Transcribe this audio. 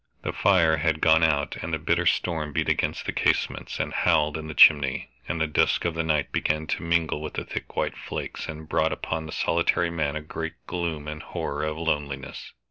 The fire had gone out and the bitter storm beat against the casements and howled in the chimney, and the dusk of the night began to mingle with the thick white flakes, and brought upon the solitary man a great gloom and horror of loneliness.